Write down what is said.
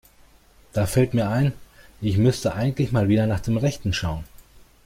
Da fällt mir ein, ich müsste eigentlich mal wieder nach dem Rechten schauen.